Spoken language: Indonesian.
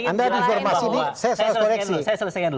anda informasi ini saya selesaikan dulu